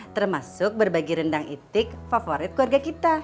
termasuk berbagi rendang itik favorit keluarga kita